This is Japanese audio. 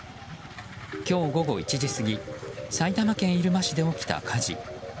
今日午後１時過ぎ埼玉県入間市で起きた火事。